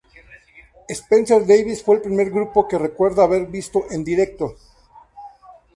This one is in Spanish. Spencer Davies fue el primer grupo que recuerda haber visto en directo.